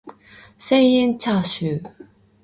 千円チャーシュー